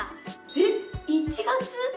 えっ１月？